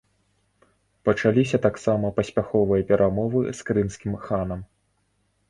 Пачаліся таксама паспяховыя перамовы з крымскім ханам.